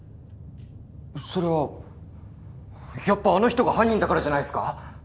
それはやっぱあの人が犯人だからじゃないっすか？